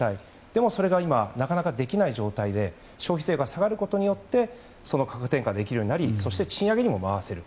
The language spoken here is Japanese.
でもそれが今なかなかできない状態で消費税が下がることによって価格転嫁ができることになりそして、賃上げにも回せる。